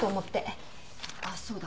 あっそうだ。